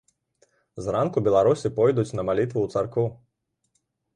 Зранку беларусы пойдуць на малітву ў царкву.